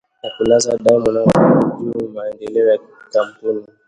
ya kulaza damu na kuhujumu maendeleo ya kampuni